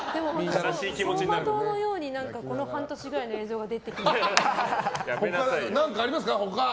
走馬灯のようにこの半年くらいの映像が他何かありますか？